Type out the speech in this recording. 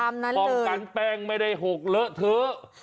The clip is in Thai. ป้องกันแป้งไม่ได้หกเลอะเถอะ